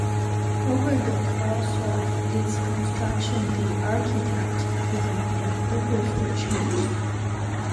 Over the course of its construction the architect, design, and purpose were changed.